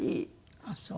あっそう。